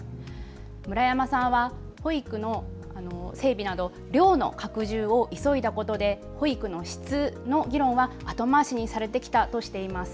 村山さんは保育の整備など量の拡充を急いだことで保育の質の議論は後回しにされてきたとしています。